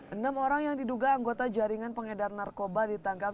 enam orang yang diduga anggota jaringan pengedar narkoba ditangkap